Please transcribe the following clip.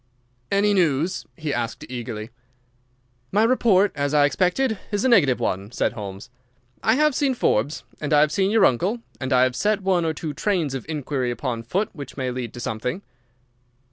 "Any news?" he asked, eagerly. "My report, as I expected, is a negative one," said Holmes. "I have seen Forbes, and I have seen your uncle, and I have set one or two trains of inquiry upon foot which may lead to something."